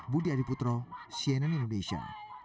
budi adiputro cnn indonesia